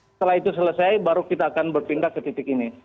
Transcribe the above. setelah itu selesai baru kita akan berpindah ke titik ini